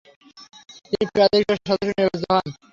তিনি প্রাদেশিক সরকারে সদস্য নির্বাচিত হন।